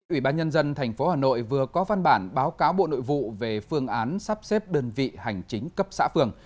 ủy ban nhân dân tp hà nội vừa có văn bản báo cáo bộ nội vụ về phương án sắp xếp đơn vị hành chính cấp xã phường